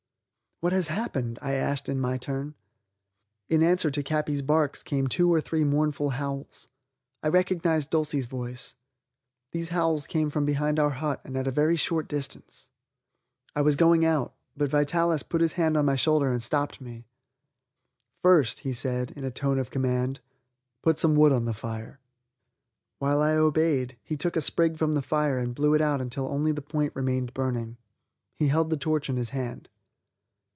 "What has happened?" I asked in my turn. In answer to Capi's barks came two or three mournful howls. I recognized Dulcie's voice. These howls came from behind our hut and at a very short distance. I was going out. But Vitalis put his hand on my shoulder and stopped me. "First," he said, in a tone of command, "put some wood on the fire." While I obeyed, he took a sprig from the fire and blew it out until only the point remained burning. He held the torch in his hand.